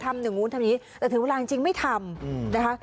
อย่างนู้นทำอย่างนี้แต่ถึงเวลาจริงไม่ทำนะคะ